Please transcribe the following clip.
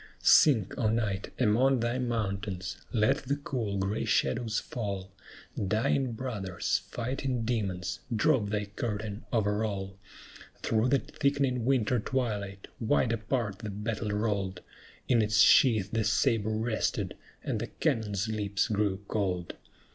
Sink, O Night, among thy mountains! let the cool, gray shadows fall; Dying brothers, fighting demons, drop thy curtain over all! Through the thickening winter twilight, wide apart the battle rolled, In its sheath the sabre rested, and the cannon's lips grew cold.